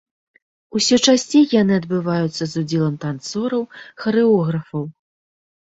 Усё часцей яны адбываюцца з удзелам танцораў, харэографаў.